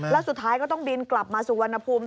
แล้วสุดท้ายก็ต้องบินกลับมาสุวรรณภูมิ